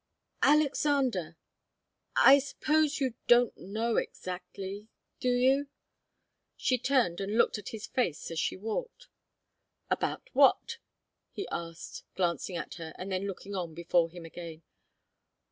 "Alexander I suppose you don't know exactly do you?" She turned and looked at his face as she walked. "About what?" he asked, glancing at her and then looking on before him again.